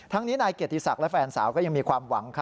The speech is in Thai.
นี้นายเกียรติศักดิ์และแฟนสาวก็ยังมีความหวัง